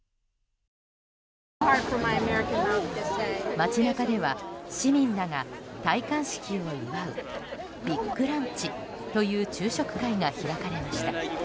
街中では、市民らが戴冠式を祝うビッグランチという昼食会が開かれました。